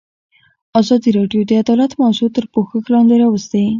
ازادي راډیو د عدالت موضوع تر پوښښ لاندې راوستې.